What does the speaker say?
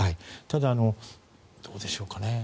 ただ、どうでしょうかね。